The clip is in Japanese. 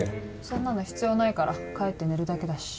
そんなの必要ないから帰って寝るだけだし。